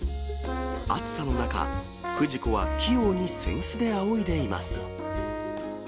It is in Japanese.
暑さの中、フジコは器用に扇子であおいでいます。